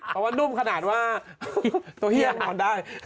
เพราะว่านุ่มขนาดว่าตัวเฮียงนอนได้